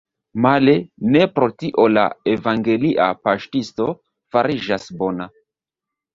Male, ne pro tio la evangelia paŝtisto fariĝas bona.